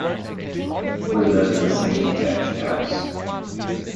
We live in a semi-detached house.